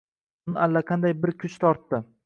Uni allaqanday bir kuch tortdi.